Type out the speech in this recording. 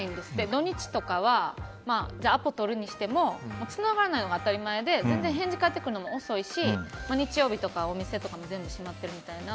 土日とかはアポ取るにしてもつながらないのが当たり前で全然返事返ってくるのも遅いし日曜日とかお店とかも全部閉まっているみたいな。